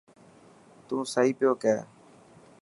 تون صحيح پيو ڪيهه.